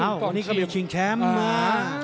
อันนี้ก็เบียบชิงแชมป์มา